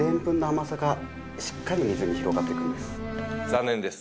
残念です。